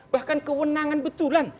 bahkan kewenangan betulan